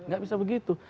gak bisa begitu